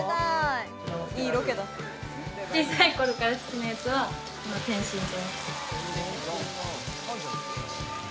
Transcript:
小さい頃から好きなやつは天津丼。